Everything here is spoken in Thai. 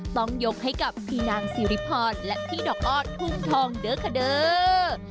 ต้องยกให้กับพี่นางสิริพรและพี่ดอกอ้อนทุ่งทองเด้อคาเดอร์